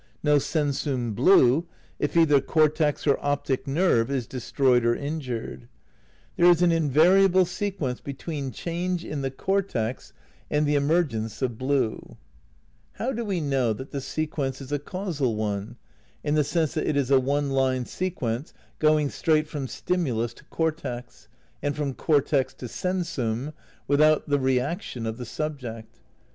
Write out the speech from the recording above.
No sensum blue if either cortex or optic nerve is destroyed or injured. There is an invariable IX RECONSTEUCTION OF IDEALISM 287 sequence between change in the cortex and the emerg ence of blue. How do we know that the sequence is a causal one, in the sense that it is a one line sequence going straight from stimulus to cortex, and from cortex to senswm, without the reaction of the subject?